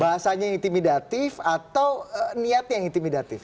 bahasanya intimidatif atau niatnya yang intimidatif